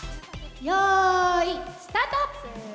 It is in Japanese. よーい、スタート。